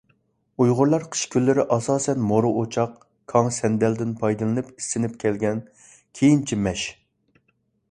ئۇيغۇرلار قىش كۈنلىرى ئاساسەن مورا ئوچاق، كاڭ، سەندەلدىن پايدىلىنىپ ئىسسىنىپ كەلگەن، كېيىنچە مەش.